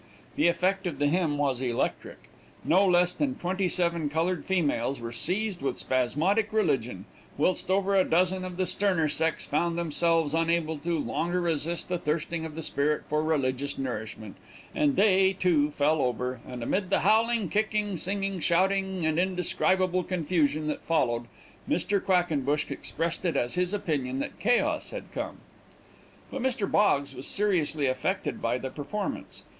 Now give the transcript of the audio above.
The effect of the hymn was electric. No less than twenty seven colored females were seized with spasmodic religion, whilst over a dozen of the sterner sex found themselves unable to longer resist the thirsting of the spirit for religious nourishment, and they, too, fell over, and, amid the howling, kicking, singing, shouting and indescribable confusion that followed, Mr. Quackenbush expressed it as his opinion that chaos had come. But Mr. Boggs was seriously affected by the performance.